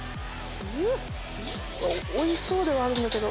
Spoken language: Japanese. おいしそうではあるんだけど。